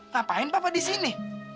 ngapain papa di sini